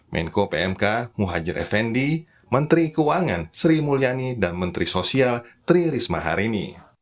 menko pmk muhajir effendi menteri keuangan sri mulyani dan menteri sosial tri risma harini